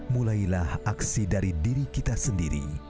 mulailah aksi dari diri kita sendiri